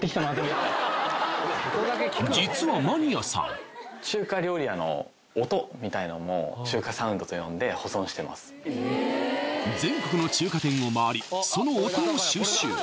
実はマニアさんみたいなのも中華サウンドと呼んで保存してます全国の中華店を回りその音を収集